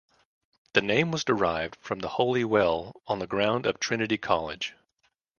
The name was derived from the holy well on the ground of Trinity College.